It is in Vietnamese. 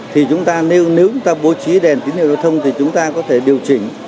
thì chúng ta nếu nếu chúng ta bố trí đèn tín hiệu giao thông thì chúng ta có thể điều chỉnh